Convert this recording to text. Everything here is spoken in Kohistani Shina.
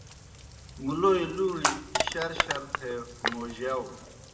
مُلوئے لُوݨیْ شرشر تھے موجِیاؤ۔